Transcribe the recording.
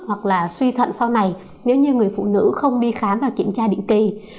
hoặc là suy thận sau này nếu như người phụ nữ không đi khám và kiểm tra định kỳ